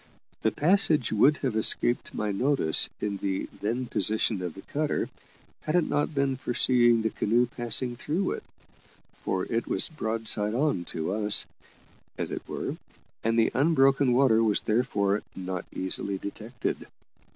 The passage would have escaped my notice in the then position of the cutter, had it not been for seeing the canoe passing through it, for it was broadside on to us, as it were, and the unbroken water was therefore not easily detected.